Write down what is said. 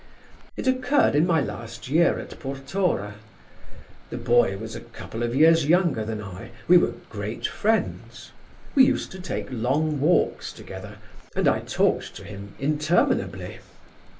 It occurred in my last year at Portora. The boy was a couple of years younger than I we were great friends; we used to take long walks together and I talked to him interminably.